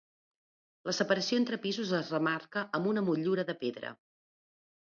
La separació entre pisos es remarca amb una motllura de pedra.